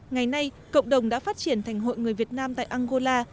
ngày nay cộng đồng đã phát triển thành hội người việt nam tại angola